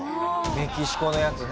メキシコのやつね。